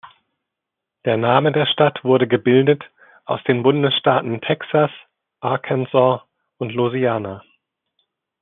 Der Name der Stadt wurde gebildet aus den Bundesstaaten Texas, Arkansas und Louisiana.